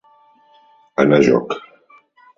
Anar a joc.